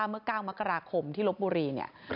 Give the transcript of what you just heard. เมื่อ๙มกราคมที่ลบบุรีเนี่ย